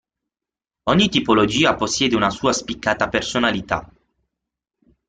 Ogni tipologia possiede una sua spiccata personalità.